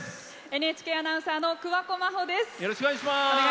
ＮＨＫアナウンサーの桑子真帆です。